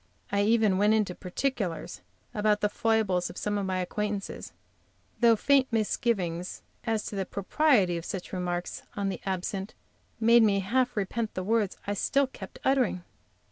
I even went into particulars about the foibles of some of my acquaintances, though faint misgivings as to the propriety of such remarks on the absent made me half repent the words I still kept uttering.